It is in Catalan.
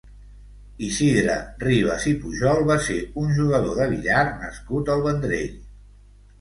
Isidre Ribas i Pujol va ser un jugador de billar nascut al Vendrell.